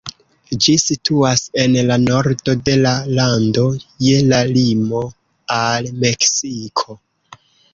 Ĝi situas en la nordo de la lando, je la limo al Meksiko.